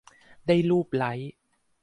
ได้ลูบไล้